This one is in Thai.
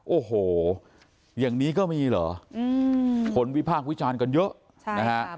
โอ้โหอย่างนี้ก็มีเหรออืมผลวิภาควิจารณ์กันเยอะใช่ค่ะ